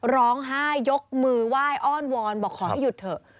ร้องไห้ยกมือไหว้อ้อนวอนบอกขอให้หยุดเถอะ